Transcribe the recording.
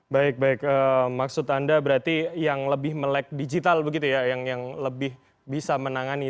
baik baik maksud anda berarti yang lebih melek digital begitu ya yang lebih bisa menangani